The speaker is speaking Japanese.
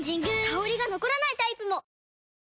香りが残らないタイプも！